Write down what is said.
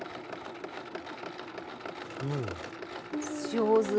上手。